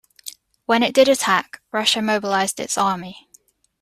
When it did attack, Russia mobilized its army.